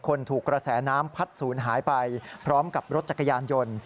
ถูกกระแสน้ำพัดศูนย์หายไปพร้อมกับรถจักรยานยนต์